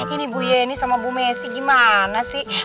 ini bu yeni sama bu messi gimana sih